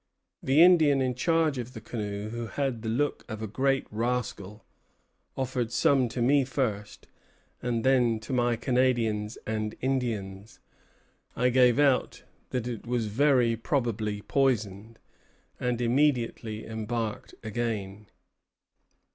The Indian in charge of the canoe, who had the look of a great rascal, offered some to me first, and then to my Canadians and Indians. I gave out that it was very probably poisoned, and immediately embarked again."